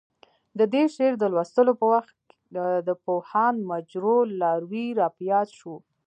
د دې شعر د لوستو په وخت د پوهاند مجروح لاروی راپه یاد شو.